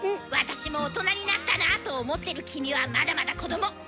私も大人になったなあと思ってる君はまだまだ子ども！